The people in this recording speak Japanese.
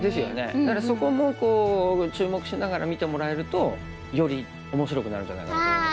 だからそこも注目しながら見てもらえるとより面白くなるんじゃないかなと思いますよ。